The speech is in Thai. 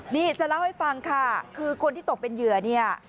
นี่จะเล่าให้ฟังค่ะคือคนที่ตกเป็นเหยื่อเนี่ย